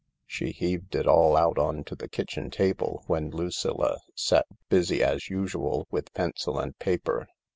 She heaved it all out onto the kitchen table, where Lucilla sat busy as usual with pencil and paper.